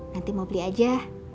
nanti mau beli aja